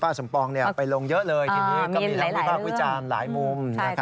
ทีนี้ก็มีภาพวิจารณ์หลายมุม